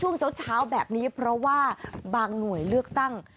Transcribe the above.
ช่วงเช้าแบบนี้เพราะว่าบางหน่วยเลือกตั้ง